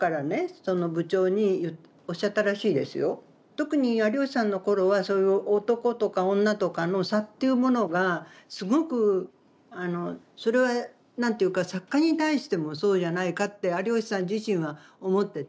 特に有吉さんの頃はそういう男とか女とかの差というものがすごくそれは何ていうか作家に対してもそうじゃないかって有吉さん自身は思ってて。